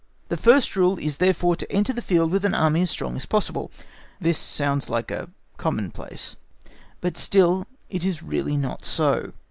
The first rule is therefore to enter the field with an Army as strong as possible. This sounds very like a commonplace, but still it is really not so.